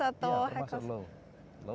atau high cost ya termasuk low